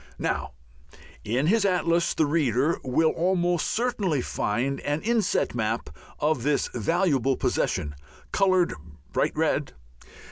Now, in his atlas the reader will almost certainly find an inset map of this valuable possession, coloured bright red.